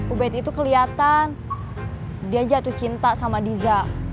ubed itu kelihatan dia jatuh cinta sama diza